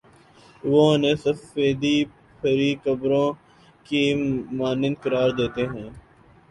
وہ انہیں سفیدی پھری قبروں کی مانند قرار دیتے ہیں۔